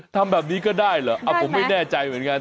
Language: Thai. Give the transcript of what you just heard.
ทำแบบนี้ก็ได้เหรอผมไม่แน่ใจเหมือนกัน